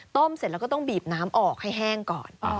เสร็จแล้วก็ต้องบีบน้ำออกให้แห้งก่อน